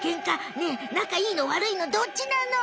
ねえなかいいのわるいのどっちなの？